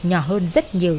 nhỏ hơn rất nhiều